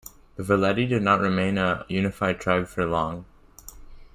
The Veleti did not remain a unified tribe for long.